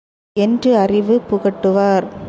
என்று அறிவு புகட்டுவார்.